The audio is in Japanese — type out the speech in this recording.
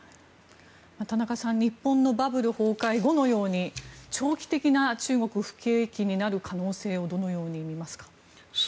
田中さん日本のバブル崩壊後のように長期的な中国不景気になる可能性をどのように見ますか。